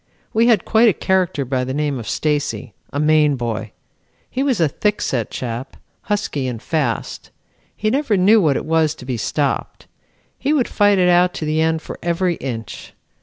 We had quite a character by the name of Stacy, a Maine boy. He was a thickset chap, husky and fast. He never knew what it was to be stopped. He would fight it out to the end for every inch.